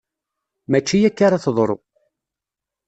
Mačči akka ara teḍru!